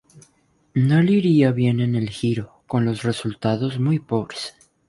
No le iría bien el Giro, con resultados muy pobres.